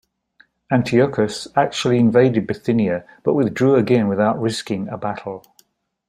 Antiochus actually invaded Bithynia but withdrew again without risking a battle.